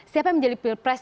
siapa yang menjadi peer press